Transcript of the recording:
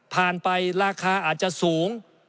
ไปราคาอาจจะสูง